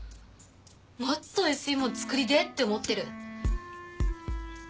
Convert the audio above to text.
もっとおいしいもん作りてえって思っでる。